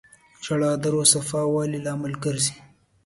• ژړا د روح د صفا والي لامل ګرځي.